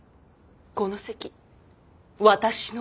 この席私の。